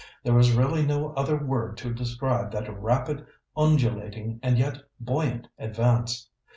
There was really no other word to describe that rapid, undulating, and yet buoyant advance.